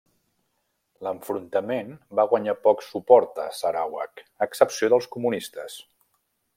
L'enfrontament va guanyar poc suport a Sarawak excepció dels comunistes.